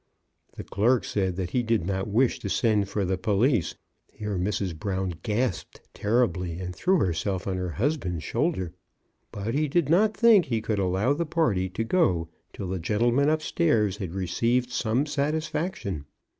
The clerk said that he did not wish to send for the police (here Mrs. Brown gasped terribly, and threw herself on her husband's shoulder), but he did not think he could allow the party to go till the gentleman up stairs had received some satisfaction.